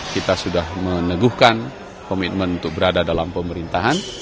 kita sudah meneguhkan komitmen untuk berada dalam pemerintahan